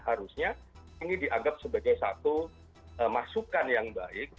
harusnya ini dianggap sebagai satu masukan yang baik